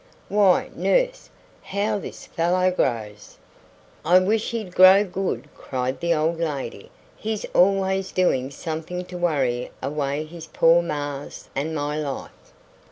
Why, nurse, how this fellow grows!" "I wish he'd grow good," cried the old lady. "He's always doing something to worry away his poor ma's and my life."